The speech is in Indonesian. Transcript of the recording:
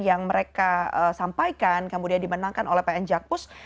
yang mereka sampaikan kemudian dimenangkan oleh pn jakpus